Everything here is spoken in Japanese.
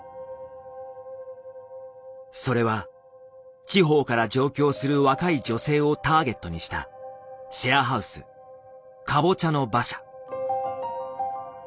それは地方から上京する若い女性をターゲットにしたシェアハウス「かぼちゃの馬車」。